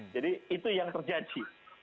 jadi itu yang terjadi